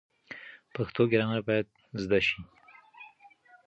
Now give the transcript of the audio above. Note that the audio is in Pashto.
پښتو ګرامر باید زده شي.